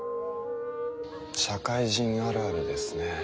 社会人あるあるですね。